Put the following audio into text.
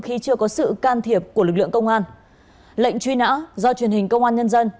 khi chưa có sự can thiệp của lực lượng công an lệnh truy nã do truyền hình công an nhân dân